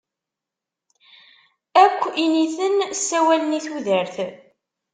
Akk initen ssawalen i tudert.